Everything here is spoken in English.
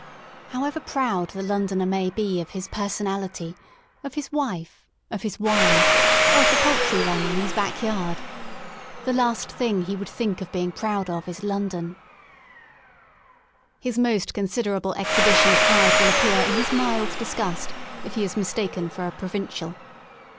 However proud the Londoner may be of his personality, of his wife, of his wine, or of the poultry run in his back garden, the last thing he would think of being proud of is London, His most considerable exhibition of pride will appear in his mild disgust, if he is mistaken for a provincial.